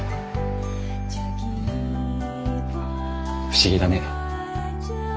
不思議だね。